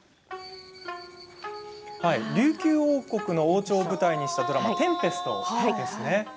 琉球王国の王宮を舞台にしたドラマ「テンペスト」です。